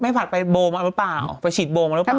ผัดไปโบมาหรือเปล่าไปฉีดโบมาหรือเปล่า